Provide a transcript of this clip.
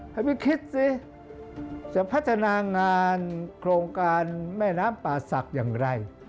ให้ไปคิดสิจะพัฒนางานโครงการแม่น้ำป่าศักดิ์อย่างไร